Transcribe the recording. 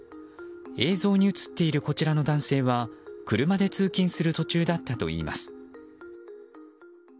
映像に映っているこちらの男性は車で通勤する途中だったといいます。